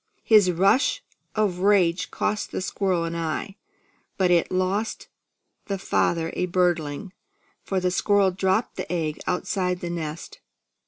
His rush of rage cost the squirrel an eye; but it lost the father a birdling, for the squirrel dropped the egg outside the nest.